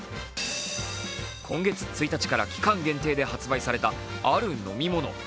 今月１日から期間限定で発売された、ある飲み物。